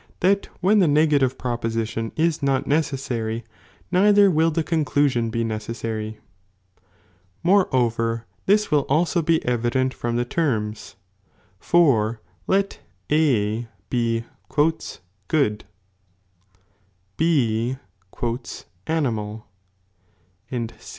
t^»t when the negative proposition is not necessary, neither wilt the conclusion be necessary. Moreover this will also be evident from the terms, for lei A ' Tajlor, by migtakc, reads "necessary."